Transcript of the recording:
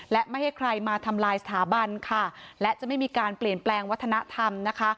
และไม่ให้ใครมาทำลายสถาบันค่ะและจะไม่มีการเปลี่ยนแปลงวัฒนธรรมนะคะ